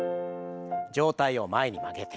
上体を前に曲げて。